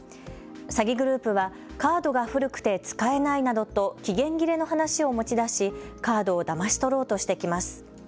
詐欺グループはカードが古くて使えないなどと期限切れの話を持ち出しカードをだまし取ろうとしてきます。